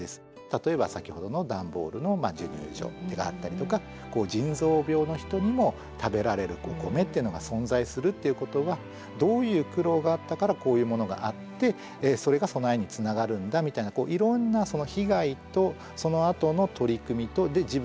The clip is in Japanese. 例えば先ほどの段ボールの授乳所であったりとか腎臓病の人にも食べられるお米っていうのが存在するっていうことはどういう苦労があったからこういうものがあってそれが備えにつながるんだみたいな伝えることの大切さね。